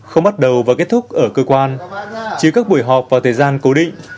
không bắt đầu và kết thúc ở cơ quan chứ các buổi họp vào thời gian cố định